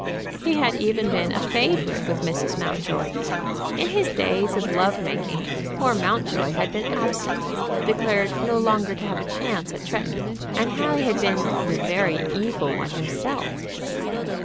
He had even been a favorite with Mrs. Mountjoy. In his days of love making poor Mountjoy had been absent, declared no longer to have a chance of Tretton, and Harry had been the very evil one himself.